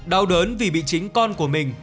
đau đớn vì bị chính con của mình